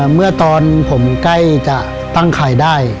เมื่อตอนผมใกล้จะตั้งไข่ได้